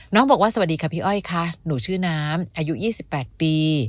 บอกว่าสวัสดีค่ะพี่อ้อยค่ะหนูชื่อน้ำอายุ๒๘ปี